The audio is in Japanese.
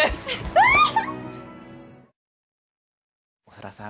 長田さん